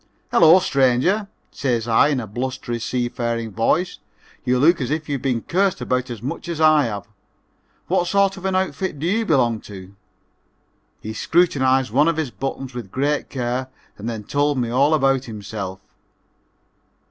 "Hello, stranger," says I in a blustery, seafaring voice, "you look as if you'd been cursed at about as much as I have. What sort of an outfit do you belong to?" He scrutinized one of his buttons with great care and then told me all about himself.